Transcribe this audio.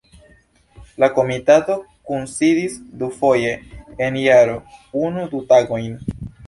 La Komitato kunsidis dufoje en jaro, unu-du tagojn.